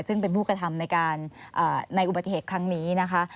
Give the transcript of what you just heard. ซึ่งเป็นผู้กระทำในอุบัติเหตุครั้งนี้นะคะ